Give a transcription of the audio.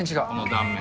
断面。